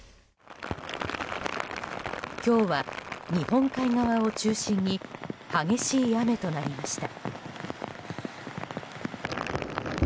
今日は、日本海側を中心に激しい雨となりました。